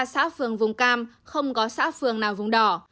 một trăm ba mươi ba xã phường vùng cam không có xã phường nào vùng đỏ